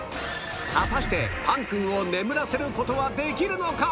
果たしてパンくんを眠らせる事はできるのか？